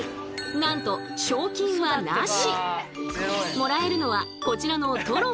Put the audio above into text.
なんと賞金はなし！